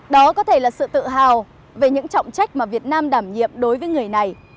đó có thể là sự tự hào về những trọng trách mà việt nam đảm nhiệm đối với người này